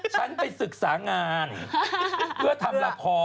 ฉันไปศึกษางานเพื่อทำละคร